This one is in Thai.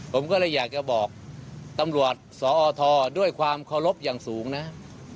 ผมก็เลยอยากจะบอกตำรวจสอทด้วยความเคารพอย่างสูงนะ